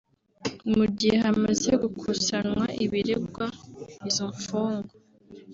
Mu gihe hamaze gukusanywa ibiregwa izo mfungwa